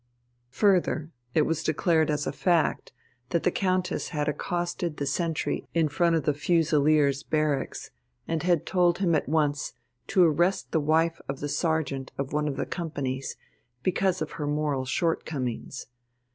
Further, it was declared as a fact that the Countess had accosted the sentry in front of the Fusiliers' Barracks and had told him at once to arrest the wife of the sergeant of one of the companies because of her moral shortcomings.